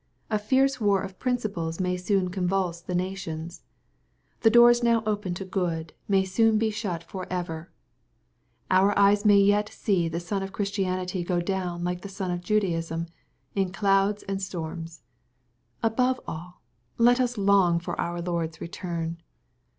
A fierce war of principles may soon convulse the nations. The doors now open to do good may soon be shut for ever 816 EXPOSITORY THOUGHTS. Onr eyes may yet see the sun of Christianity go down like the sun of Judaism^ in clouds and storms. Abore •XL, let us long for our Lord's return.